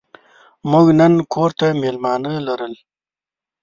موږ نن کور ته مېلمانه لرل.